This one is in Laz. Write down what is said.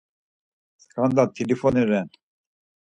Skanda t̆ilifoni ren.